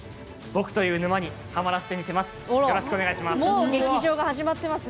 僕という沼にハマらせてみせます。